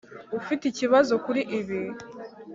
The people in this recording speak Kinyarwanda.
ufite ikibazo kuri ibi?